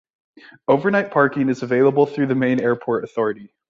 Overnight parking is available through the main airport authority.